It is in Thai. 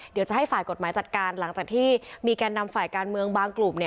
เดี๋ยวจะให้ฝ่ายกฎหมายจัดการหลังจากที่มีแก่นำฝ่ายการเมืองบางกลุ่ม